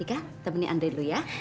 tika temani andri dulu ya